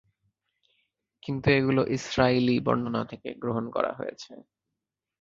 কিন্তু এগুলো ইসরাঈলী বর্ণনা থেকে গ্রহণ করা হয়েছে।